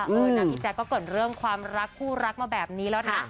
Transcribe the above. เออนะพี่แจ๊คก็เกิดเรื่องความรักคู่รักมาแบบนี้แล้วนะ